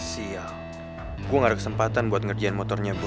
sial gue gak ada kesempatan buat ngerjain motornya boy